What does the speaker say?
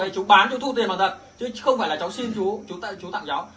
chứ không phải là cháu xin chú